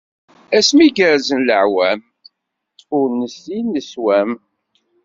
Asmi gerzen leɛwam, ur nessin leswam.